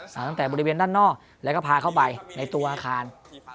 ตั้งแต่บริเวณด้านนอกแล้วก็พาเข้าไปในตัวอาคาร